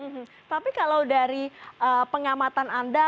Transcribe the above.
hmm tapi kalau dari pengamatan anda